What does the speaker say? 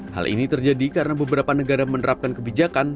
hal ini terjadi karena beberapa negara menerapkan kebijakan